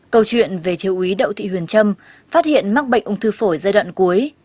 câu chuyện về thiếu úy đậu thị huyền trâm phát hiện mắc bệnh ung thư phổi giai đoạn cuối